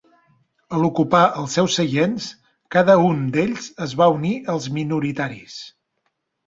A l'ocupar els seus seients, cada un d'ells es va unir als minoritaris.